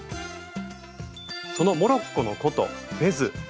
そのモロッコの古都フェズ。